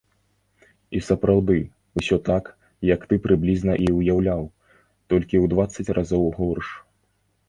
І сапраўды, усё так, як ты прыблізна і ўяўляў, толькі ў дваццаць разоў горш.